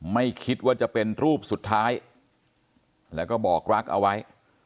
ไม่คิดว่าจะเป็นรูปสุดท้ายแล้วก็บอกรักเอาไว้